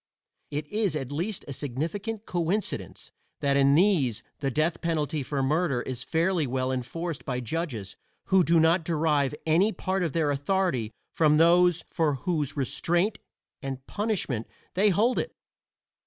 It is at least a significant coincidence that in these the death penalty for murder is fairly well enforced by judges who do not derive any part of their authority from those for whose restraint and punishment they hold it.